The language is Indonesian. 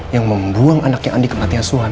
yang membuang anaknya andi kematian suam